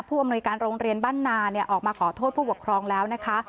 อำนวยการโรงเรียนบ้านนาออกมาขอโทษผู้ปกครองแล้วนะคะ